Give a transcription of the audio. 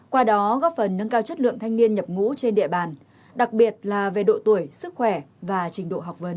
qua đó góp phần nâng cao chất lượng thanh niên nhập ngũ trên địa bàn đặc biệt là về độ tuổi sức khỏe và trình độ học vấn